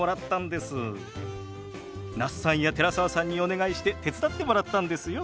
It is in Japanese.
那須さんや寺澤さんにお願いして手伝ってもらったんですよ。